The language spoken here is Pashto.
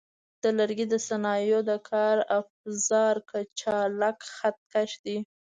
د لرګي د صنایعو د کار افزار کچالک خط کش دی.